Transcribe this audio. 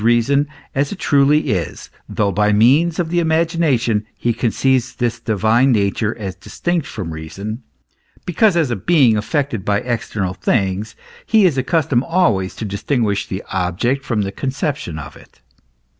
reason as it truly is, though, by means of the imagination he conceives this divine nature as distinct from reason, because as a being affected by external things he is accustomed always to distinguish the object from the conception of it.